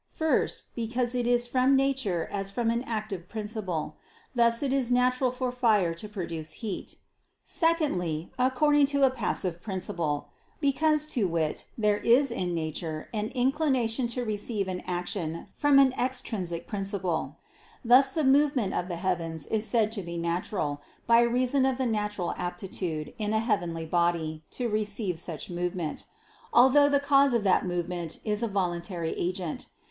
First, because it is from nature as from an active principle: thus it is natural for fire to produce heat. Secondly, according to a passive principle; because, to wit, there is in nature an inclination to receive an action from an extrinsic principle: thus the movement of the heavens is said to be natural, by reason of the natural aptitude in a heavenly body to receive such movement; although the cause of that movement is a voluntary agent.